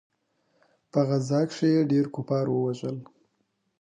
په غزا کښې يې ډېر کفار ووژل.